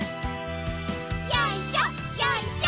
よいしょよいしょ。